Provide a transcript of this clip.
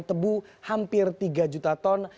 tebu hampir tiga juta ton